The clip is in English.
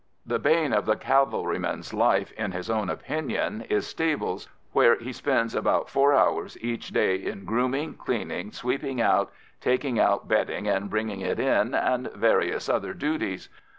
The bane of the cavalryman's life in his own opinion is stables, where he spends about four hours each day in grooming, cleaning, sweeping out, taking out bedding and bringing it in, and various other duties.